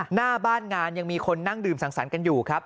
หน้าบ้านงานยังมีคนนั่งดื่มสังสรรค์กันอยู่ครับ